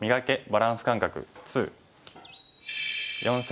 バランス感覚２」。